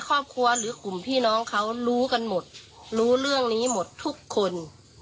คุมพี่น้องเขารู้กันหมดรู้เรื่องนี้หมดทุกคน